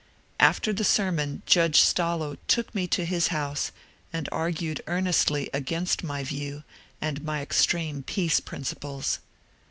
After the sermon Judge Stallo took me to his house, and argued earnestly against my view and my extreme peace principles.